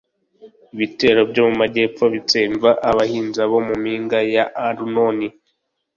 ibitero byo mu majyepfo bitsemba abahinza bo mu mpinga ya arunoni.